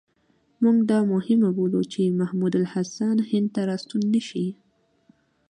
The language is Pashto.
موږ دا مهمه بولو چې محمود الحسن هند ته را ستون نه شي.